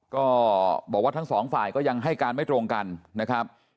ก็บอกว่าทั้งสองฝ่ายก็ยังให้การไม่ตรงกันนะครับ